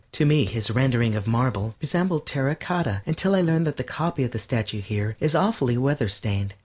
To me his rendering of marble resembled terra cotta until I learned that the copy of the statue here is awfully weatherstained.